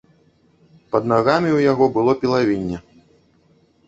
Пад нагамі ў яго было пілавінне.